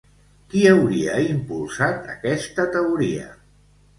Qui hauria impulsat aquesta teoria?